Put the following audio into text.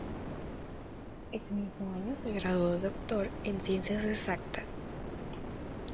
Ese mismo año se graduó de doctor en Ciencias Exactas.